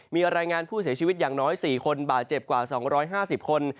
มีรายงานผู้เสียชีวิตอย่างน้อย๔คนบาดเจ็บกว่า๒๕๐คน